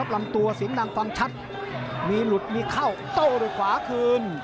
ลำตัวสินดังฟังชัดมีหลุดมีเข้าโต้ด้วยขวาคืน